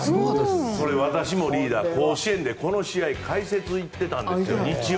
これ、私も、リーダー甲子園でこの試合解説に行ってたんです。